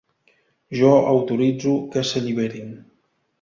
Jo autoritzo que s’alliberin.